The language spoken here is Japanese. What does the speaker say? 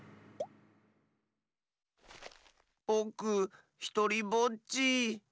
ぼくひとりぼっち。